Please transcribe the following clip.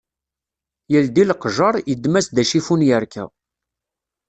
Yeldi leqjar, yeddem-as-d acifun yerka